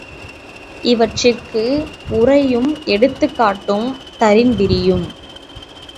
இவற்றிற்கு உரையும் எடுத்துக்காட்டும் தரின் விரியும்.